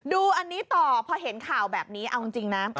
ดูอันนี้ต่อพอเห็นข่าวแบบนี้เอาจริงนะ